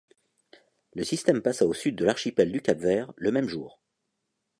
Le système passa au sud de l'archipel du Cap-Vert le même jour.